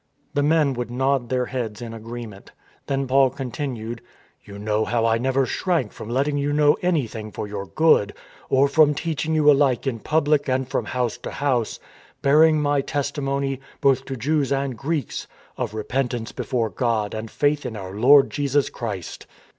The men would nod their heads in agreement. Then Paul continued. " You know how I never shrank from letting you know anything for your good, or from teaching you alike in public and from house to house, bearing my testimony, both to Jews and Greeks, of repentance before God and faith in our Lord Jesus Christ.